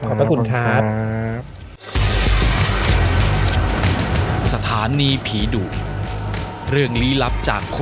ขอบคุณครับ